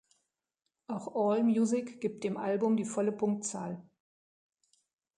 Auch Allmusic gibt dem Album die volle Punktzahl.